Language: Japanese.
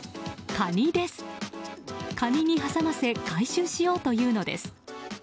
カニに挟ませ回収しようというのです。